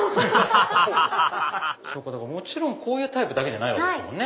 アハハハハもちろんこういうタイプだけじゃないわけですもんね。